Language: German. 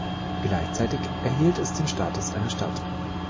Gleichzeitig erhielt es den Status einer Stadt.